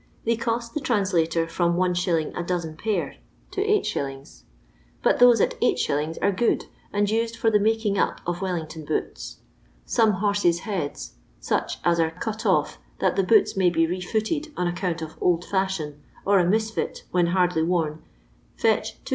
They cost the translator from \t, a dozen pair to 8^., but those at 8«. are good, and are used for the making up of Wellington boots. Some 'horses' heads' — such as are cut off that the booU may be re footed on account of old fashion, or a misfit, when kirdly worn — fetch 2«. 6(Z.